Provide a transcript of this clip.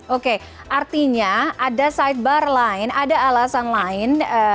oke artinya ada sidebar lain ada alasan lain